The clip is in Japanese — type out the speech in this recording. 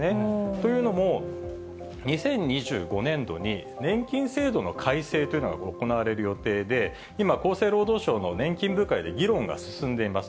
というのも、２０２５年度に年金制度の改正というのが行われる予定で、今、厚生労働省の年金部会で議論が進んでいます。